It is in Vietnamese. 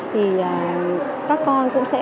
thì các con cũng sẽ